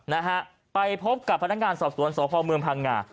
นะฮะไปพบกับพนักงานสอบสวนสพเมืองพังงา